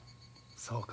そうか。